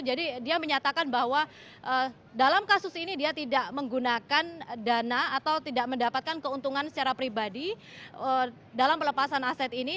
jadi dia menyatakan bahwa dalam kasus ini dia tidak menggunakan dana atau tidak mendapatkan keuntungan secara pribadi dalam pelepasan aset ini